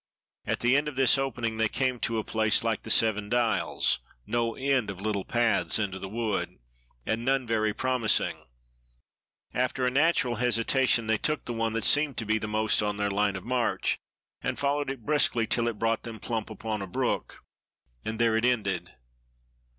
At the end of this opening they came to a place like the "Seven Dials" no end of little paths into the wood, and none very promising. After a natural hesitation, they took the one that seemed to be most on their line of march, and followed it briskly till it brought them plump upon a brook, and there it ended.